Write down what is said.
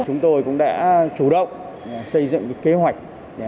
chúng tôi cũng đã chủ động xây dựng kế hoạch